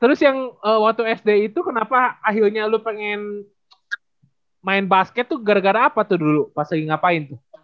terus yang waktu sd itu kenapa akhirnya lu pengen main basket tuh gara gara apa tuh dulu pas lagi ngapain tuh